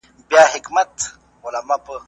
زغم د هر سوداګر تر ټولو لویه شتمني ده.